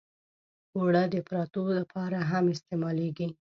اوړه د پراتو لپاره هم استعمالېږي